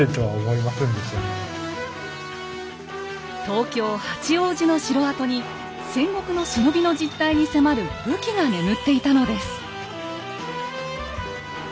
東京・八王子の城跡に戦国の忍びの実態に迫る武器が眠っていたのです。